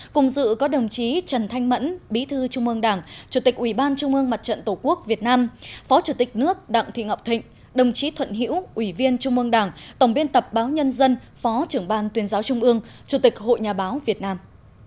cùng dự có đồng chí trần thanh mẫn bí thư trung mương đảng chủ tịch ubnd tổ quốc việt nam phó chủ tịch nước đặng thị ngọc thịnh đồng chí thuận hiễu ubnd tổng biên tập báo nhân dân phó trưởng ban tuyên giáo trung mương chủ tịch hội nhà báo việt nam